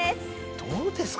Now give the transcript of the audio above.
どうですか？